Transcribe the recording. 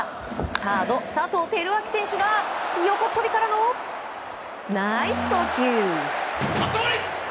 サード、佐藤輝明選手が横っ飛びからのナイス送球。